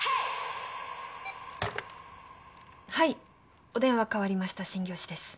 はいお電話替わりました真行寺です。